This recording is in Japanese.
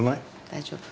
大丈夫。